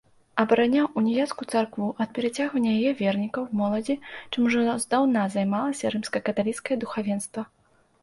Абараняў уніяцкую царкву ад перацягвання яе вернікаў, моладзі, чым ужо здаўна займалася рымска-каталіцкае духавенства.